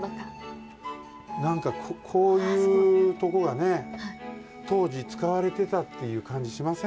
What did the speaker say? なんかこういうとこがねとうじ使われてたっていうかんじしません？